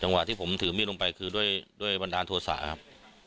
จังหวะที่ผมถือมีดลงไปคือด้วยบรรดาโทษศาสตร์ครับ